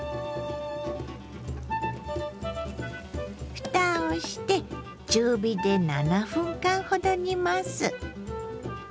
ふたをして中火で７分間ほど煮ます。